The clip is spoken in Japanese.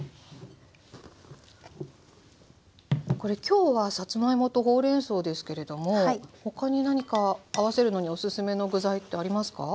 これ今日はさつまいもとほうれんそうですけれども他に何か合わせるのにおすすめの具材ってありますか？